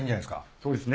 そうですね。